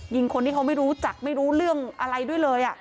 คนที่เขาไม่รู้จักไม่รู้เรื่องอะไรด้วยเลย